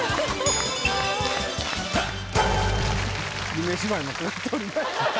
「夢芝居」も掛かっておりました。